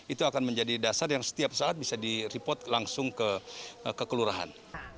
itu akan menjadi dasar yang setiap saat bisa di report langsung ke kelurahan